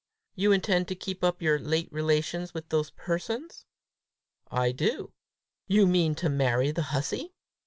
"You intend to keep up your late relations with those persons?" "I do." "You mean to marry the hussy?"